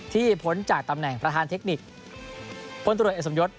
พ้นจากตำแหน่งประธานเทคนิคพลตรวจเอกสมยศ